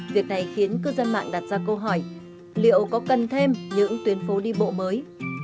việc này khiến cư dân mạng đặt ra câu hỏi liệu có cần thêm những tuyến phố đi bộ mới